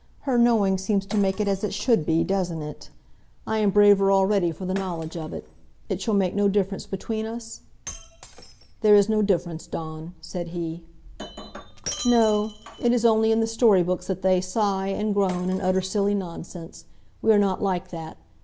Her knowing seems to make it as it should be, doesn't it? I am braver already, for the knowledge of it. It shall make no difference between us?" "There is no difference, Dawn," said he. "No. It is only in the story books that they sigh, and groan and utter silly nonsense. We are not like that.